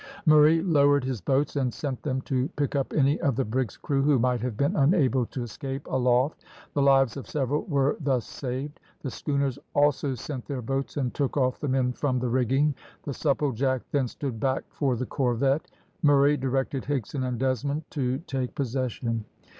Murray lowered his boats and sent them to pick up any of the brig's crew who might have been unable to escape aloft. The lives of several were thus saved. The schooners also sent their boats and took off the men from the rigging. The Supplejack then stood back for the corvette. Murray directed Higson and Desmond to take possession.